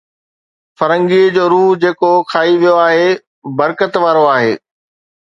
فرنگي جو روح جيڪو کائي ويو آهي، برڪت وارو آهي